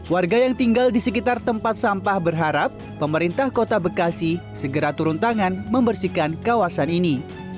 warga yang tinggal di sekitar tempat sampah berharap pemerintah kota bekasi segera turun tangan membersihkan kawasan ini